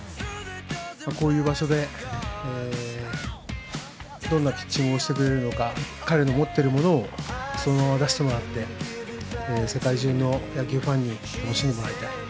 こういう場所でどんなピッチングをしてくれるのか彼の持ってるものをそのまま出してもらって、世界中の野球ファンに楽しんでもらいたい。